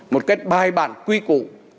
một cái bài bản quyết định